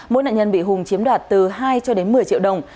mỗi nạn nhân bị hùng chiếm đoạt từ hai cho đến một mươi triệu đồng